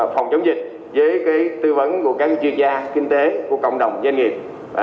phòng chống dịch với tư vấn của các chuyên gia kinh tế của cộng đồng doanh nghiệp